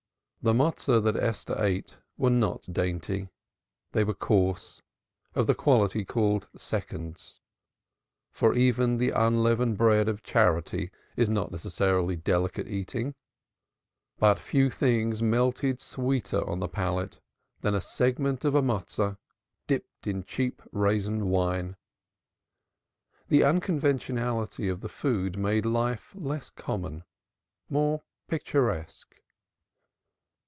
The Matzoth that Esther ate were not dainty they were coarse, of the quality called "seconds," for even the unleavened bread of charity is not necessarily delicate eating but few things melted sweeter on the palate than a segment of a Matso dipped in cheap raisin wine: the unconventionally of the food made life less common, more picturesque.